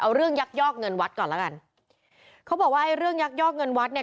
เอาเรื่องยักยอกเงินวัดก่อนแล้วกันเขาบอกว่าไอ้เรื่องยักยอกเงินวัดเนี่ย